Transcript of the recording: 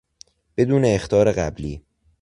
بدون اخطار قبلی